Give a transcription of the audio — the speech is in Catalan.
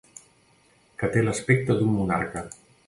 Que té l'aspecte d'un monarca.